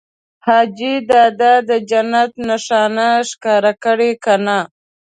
حاجي دادا د جنت نښانه ښکاره کړه که نه؟